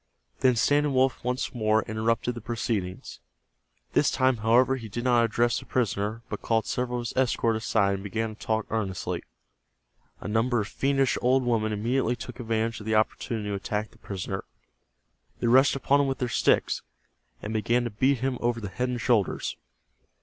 Then Standing Wolf once more interrupted the proceedings. This time, however, he did not address the prisoner, but called several of his escort aside and began to talk earnestly. A number of fiendish old women immediately took advantage of the opportunity to attack the prisoner. They rushed upon him with their sticks, and began to beat him over the head and shoulders.